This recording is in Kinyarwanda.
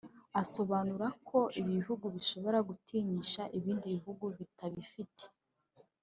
Asobanura ko ibi bihugu bishobora gutinyisha ibindi bihugu bitabifite